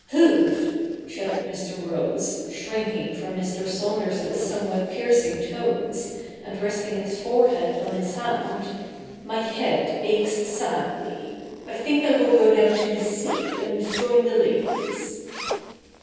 ' H'f,' shuddered Mr. Rose, shrinking from Mr. Saunders's somewhat piercing tones, and resting his fore head on his hand, ' my head aches sadly. I think I will go down to the sea. and join the ladies.'